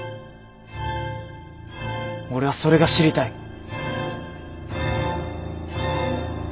俺はそれが知りたい。